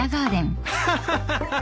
ハハハハ。